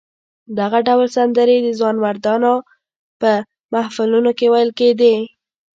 دغه ډول سندرې د ځوانمردانو په محفلونو کې ویل کېدې.